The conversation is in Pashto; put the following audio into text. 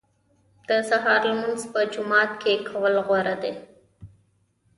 د سهار لمونځ په جومات کې کول غوره دي.